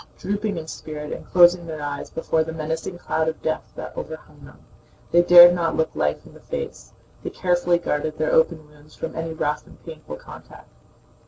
Drooping in spirit and closing their eyes before the menacing cloud of death that overhung them, they dared not look life in the face. They carefully guarded their open wounds from any rough and painful contact.